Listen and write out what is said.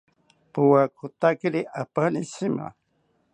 Powakotakiri apani shima